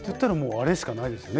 あれしかないですね。